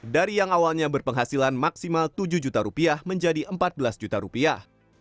dari yang awalnya berpenghasilan maksimal tujuh juta rupiah menjadi empat belas juta rupiah